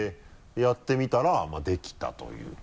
やってみたらできたというか。